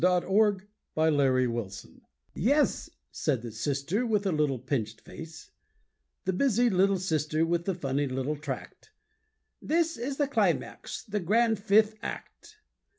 The Drunkard's Funeral "Yes," said the sister with the little pinched face, The busy little sister with the funny little tract: "This is the climax, the grand fifth act.